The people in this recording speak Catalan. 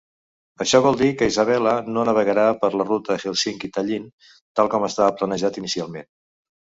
Això vol dir que "Isabella" no navegarà per la ruta Hèlsinki-Tallinn tal com estava planejat inicialment.